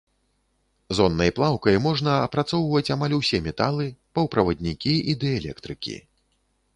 Зоннай плаўкай можна апрацоўваць амаль усе металы, паўправаднікі і дыэлектрыкі.